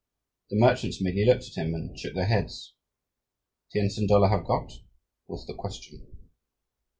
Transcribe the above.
The merchants merely looked at them and shook their heads. "Tientsin dollar have got?" was the question.